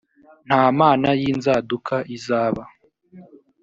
nta mana y inzaduka izaba